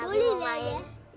boleh lah ya